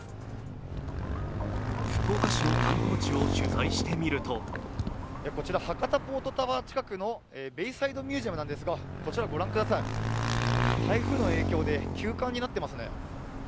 福岡市の観光地を取材してみるとこちら博多ポートタワー近くのベイサイドミュージアムなんですがこちらご覧ください、台風の影響で休館となっていますね。